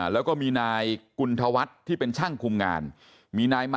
แล้วก็มีนาย